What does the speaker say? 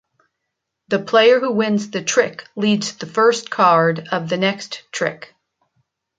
The player who wins the trick leads the first card of the next trick.